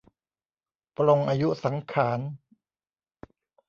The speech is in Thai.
ปลงอายุสังขาร